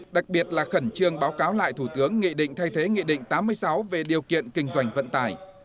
đặc biệt là khẩn trương báo cáo lại thủ tướng nghị định thay thế nghị định tám mươi sáu về điều kiện kinh doanh vận tải